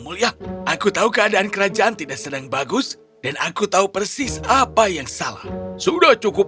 mulia aku tahu keadaan kerajaan tidak sedang bagus dan aku tahu persis apa yang salah sudah cukup